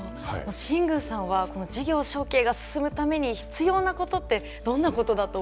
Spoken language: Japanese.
新宮さんはこの事業承継が進むために必要なことってどんなことだと思いますか？